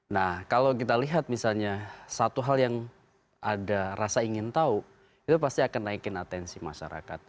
nah kalau kita lihat misalnya satu hal yang ada rasa ingin tahu itu pasti akan naikin atensi masyarakat